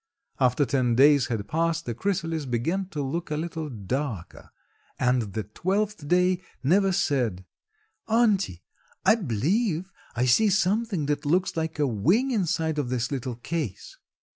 After ten days had passed the chrysalis began to look a little darker and the twelfth day Neva said, "Auntie, I b'lieve I see something that looks like a wing inside of this little case."